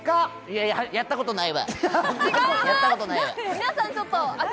いや、やったことないわ。